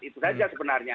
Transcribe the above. itu saja sebenarnya